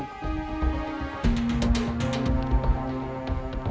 tidak ada yang bisa diberi kesempatan